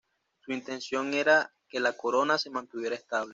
Su intención era que la corona se mantuviera estable.